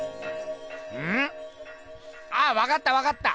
うん？あっわかったわかった！